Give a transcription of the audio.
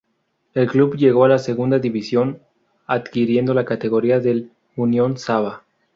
El Club llegó a la segunda división adquiriendo la categoría del Unión Saba.